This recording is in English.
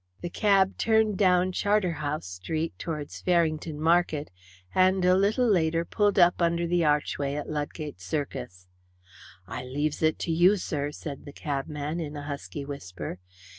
The cab turned down Charterhouse Street towards Farringdon Market, and a little later pulled up under the archway at Ludgate Circus. "I leaves it to you, sir," said the cabman, in a husky whisper.